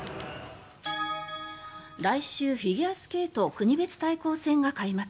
来週、フィギュアスケート国別対抗戦が開幕。